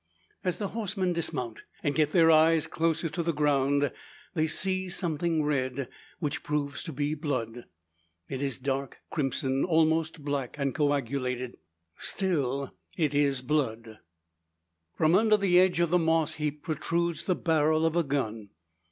As the horsemen dismount, and get their eyes closer to the ground, they see something red; which proves to be blood. It is dark crimson, almost black, and coagulated. Still is it blood. From under the edge of the moss heap protrudes the barrel of a gun.